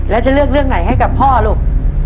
แล้วจะเลือกเรื่องไหนให้กับพ่อลูก